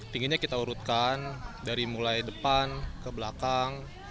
tingginya kita urutkan dari mulai depan ke belakang